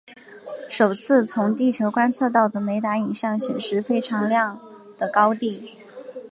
首次从地球观测到的雷达影像显示非常亮的高地。